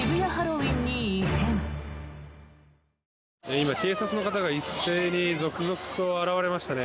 今、警察の方が一斉に続々と集まりましたね。